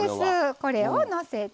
これをのせて。